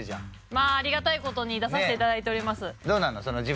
まあありがたい事に出させて頂いております。